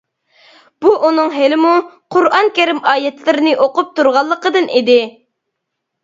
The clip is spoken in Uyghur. بۇ ئۇنىڭ ھېلىمۇ «قۇرئان كەرىم» ئايەتلىرىنى ئوقۇپ تۇرغانلىقىدىن ئىدى.